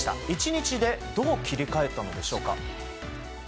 １日でどう切り替えたのでしょうか。